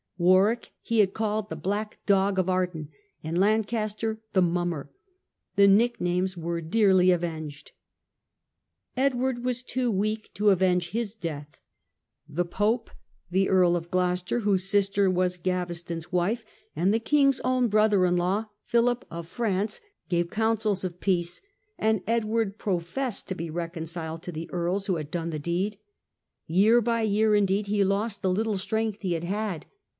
Warwick he had called " the black dog of Arden ", and Lancaster " the mummer ". The nicknames were dearly avenged. Edward was too weak to avenge his death. The pope, the Earl of Gloucester (whose sister was Gaveston's wife), 6297894 lOO BANNOCKBURN. and the king's own brother in law Philip of France, gave counsels of peace; and Edward professed to be reconciled to the earls who had done the deed. Year by year, indeed, he lost the little strength he had had.